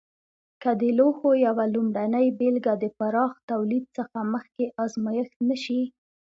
که د لوښو یوه لومړنۍ بېلګه د پراخ تولید څخه مخکې ازمېښت نه شي.